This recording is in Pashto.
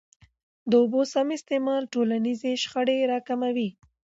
د اوبو سم استعمال ټولنیزي شخړي را کموي.